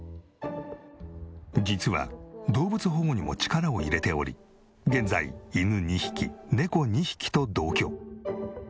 実は動物保護にも力を入れており現在犬２匹猫２匹と同居。